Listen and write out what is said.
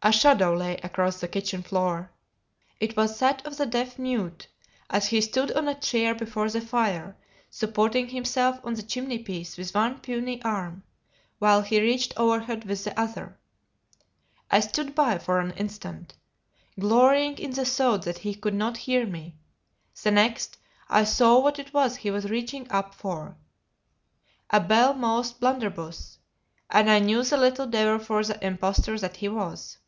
A shadow lay across the kitchen floor; it was that of the deaf mute, as he stood on a chair before the fire, supporting himself on the chimney piece with one puny arm, while he reached overhead with the other. I stood by for an instant, glorying in the thought that he could not hear me; the next, I saw what it was he was reaching up for a bell mouthed blunderbuss and I knew the little devil for the impostor that he was.